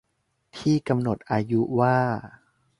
ที่กำหนดอายุว่า